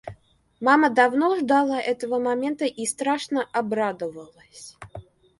Мама давно ждала этого момента и страшно обрадовалась.